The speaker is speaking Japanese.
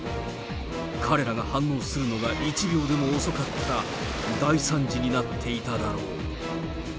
彼らが反応するのが１秒でも遅かったら、大惨事になっていただろう。